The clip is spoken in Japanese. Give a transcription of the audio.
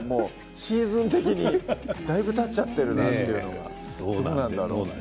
シーズン的にだいぶたっちゃっているなというのはどうなんだろう。